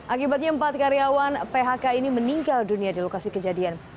akibatnya empat karyawan phk ini meninggal dunia di lokasi kejadian